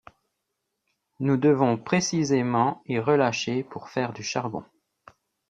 Nous devons précisément y relâcher pour faire du charbon.